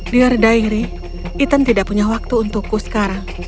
biar dairi ethan tidak punya waktu untukku sekarang